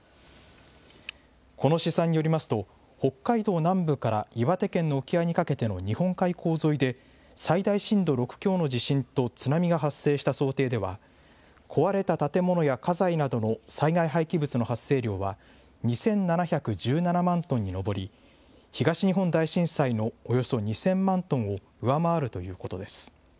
この試算によりますと、北海道南部から岩手県の沖合にかけての日本海溝沿いで、最大震度６強の地震と津波が発生した想定では、壊れた建物や家財などの災害廃棄物の発生量は、２７１７万トンに上り、東日本大震災のおよそ２０００万トンを上回るということです。